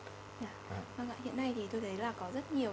và hiện nay thì tôi thấy là có rất nhiều